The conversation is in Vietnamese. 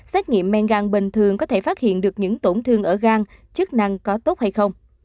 xét nghiệm men gan bình thường có thể phát hiện được những tổn thương ở gan chức năng có tốt hay không